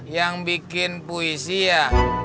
yang bikin puisi ya